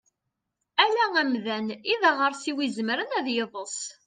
Ala amdan i daɣersiw izemren ad yeḍs.